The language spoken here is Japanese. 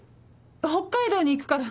北海道に行くから。